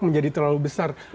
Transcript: menjadi terlalu besar